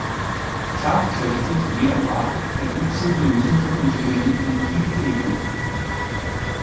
Tatkräftig, wie er war, erwuchsen dem Superintendenten viele Gegner.